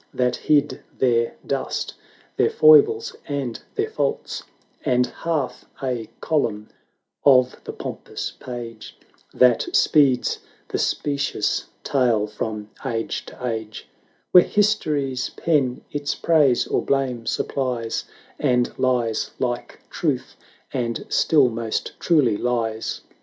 ] LARA 393 That hid their dust, their foibles, and their faults; And half a column of the pompous page, That speeds the specious tale from age to age; Where History's pen its praise or blame supplies, And lies like Truth, and still most truly lies.